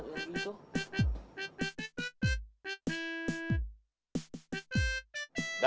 terima kasih mak